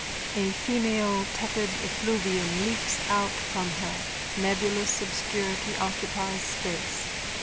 _(A female tepid effluvium leaks out from her. Nebulous obscurity occupies space.